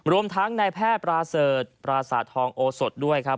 รวมทั้งในแพทย์ปราเสิร์ชปราศาสตทองโอสดด้วยครับ